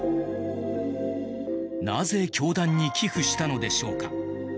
なぜ教団に寄付したのでしょうか。